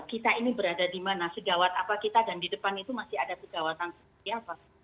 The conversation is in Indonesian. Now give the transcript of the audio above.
kita ini berada di mana segawat apa kita dan di depan itu masih ada segawatan seperti apa